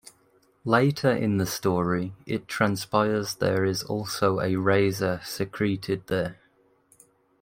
Later in the story it transpires there is also a razor secreted there.